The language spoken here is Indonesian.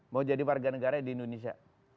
mau jadi warga negara di indonesia